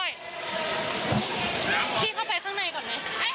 พี่ขอไปร้องข้างในก่อน